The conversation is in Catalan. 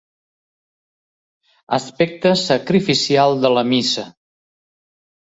Aspecte sacrificial de la missa.